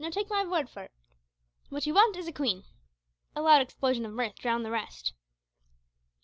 No, take my word for it; what ye want is a queen " A loud explosion of mirth drowned the rest.